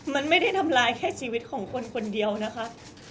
มันไม่ได้ทำร้ายแค่ชีวิตของคนคนเดียวนะคะ